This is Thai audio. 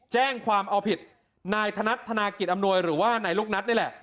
แจ้งความเอาผิดนายธนัดธนากิจอำนวยหรือว่านายลูกนัทนี่แหละ